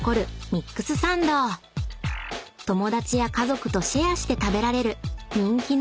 ［友達や家族とシェアして食べられる人気のメニュー］